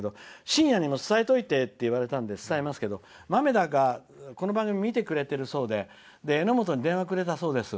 しんやにも伝えておいてって言われたので伝えますけどまめだが、この番組見てくれているそうでえのもとに電話をくれたそうです。